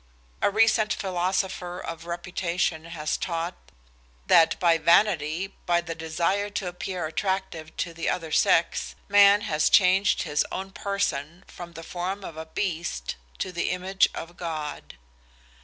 A recent philosopher of reputation has taught that by vanity, by the desire to appear attractive to the other sex, man has changed his own person from the form of a beast to the image of God.